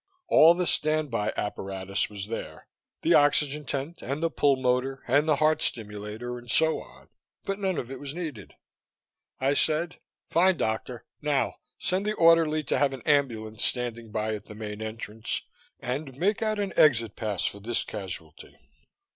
All the stand by apparatus was there the oxygen tent and the pulmotor and the heart stimulator and so on. But none of it was needed. I said: "Fine, Doctor. Now send the orderly to have an ambulance standing by at the main entrance, and make out an exit pass for this casualty."